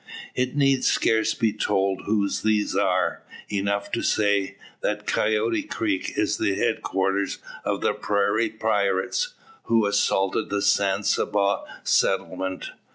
It need scarce be told who these are. Enough to say, that Coyote Creek is the head quarters of the prairie pirates, who assaulted the San Saba settlement.